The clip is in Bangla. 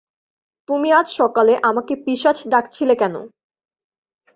তুমি আজ সকালে আমাকে পিশাচ ডাকছিলে কেন?